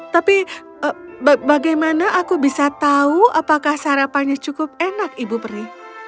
tapi bagaimana aku bisa tahu apakah sarapannya cukup enak ibu peri